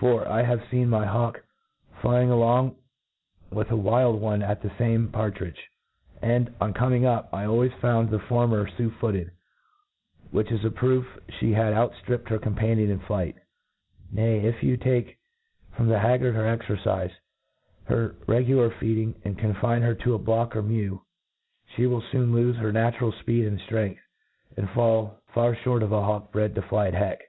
For, I have feen my hawk flying along with a wild one at the fame par tridge J and, on con[>ing up, I always found the former fu^ footed, which id a proof Ihe had out ftripped her companion in flight* Nay, if you take from the haggard her excrcife, her regular feeding, and confine her to a block or mew, flic will foon lofe her n^itural fpeed and ftrength, and M far fhoTt of a hawk bred to fly at heck.